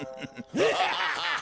アハハハハ！